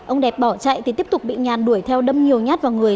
ông đẹp bỏ chạy thì tiếp tục bị nhàn đuổi theo đâm nhiều nhát vào người